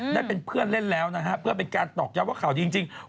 ได้เป็นเพื่อนเล่นแล้วนะฮะเพื่อเป็นการตอกย้ำว่าข่าวดีจริง